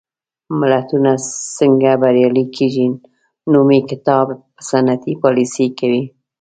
ملتونه څنګه بریالي کېږي؟ نومي کتاب په صنعتي پالېسۍ کوي.